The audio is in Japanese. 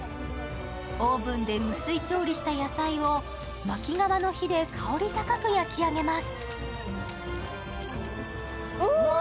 オーブンで無水調理した野菜を薪窯の火で香り高く焼き上げます。